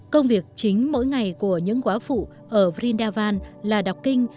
công việc chính mỗi ngày của những quả phụ ở vrindavan là đọc kinh